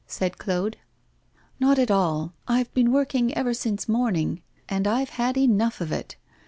said Claude. 'Not at all. I have been working ever since morning, and I've had enough of it.